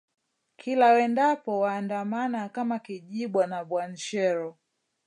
Kila wendapo wanaandamana kama kijibwa na Bwanshero